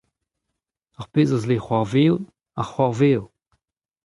Ar pezh a zle c'hoarvezout a c'hoarvezo.